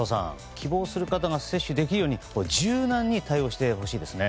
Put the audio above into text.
希望する方が接種できるように柔軟に対応してほしいですよね。